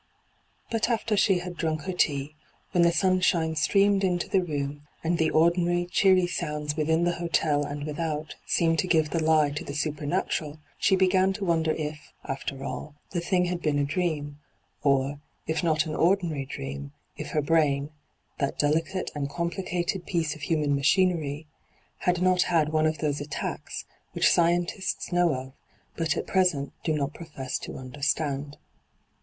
But after she had drunk her tea, when the sunshine streamed into the room, and the ordinary cheery sounds within the hotel and without seemed to give the lie to the siaper natural, she began to wonder if, after all, the thing had been a dream ; or, if not an ordinary dream, if her brain^ that delicate and com plicated piece of human machinery — had not had one of those attacks which scientists know 136 nyt,, 6^hyG00>^lc ENTRAPPED 127 of, but at present do not profess to under stand.